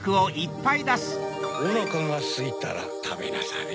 おなかがすいたらたべなされ。